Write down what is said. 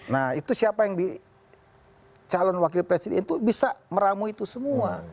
nah itu siapa yang di calon wakil presiden itu bisa meramu itu semua